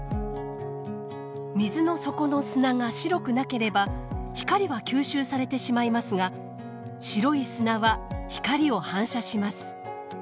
水の底の砂が白くなければ光は吸収されてしまいますが白い砂は光を反射します。